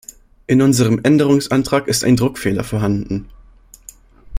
In unserem Änderungsantrag ist ein Druckfehler vorhanden.